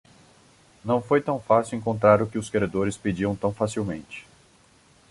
Não foi tão fácil encontrar o que os credores pediam tão facilmente.